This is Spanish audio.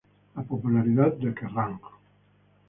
La popularidad de "Kerrang!